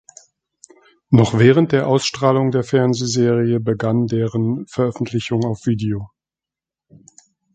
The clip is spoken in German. Noch während der Ausstrahlung der Fernsehserie begann deren Veröffentlichung auf Video.